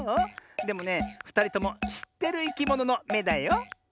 でもねふたりともしってるいきもののめだよ。